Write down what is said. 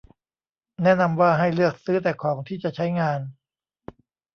แนะนำว่า ให้เลือกซื้อแต่ของที่จะใช้งาน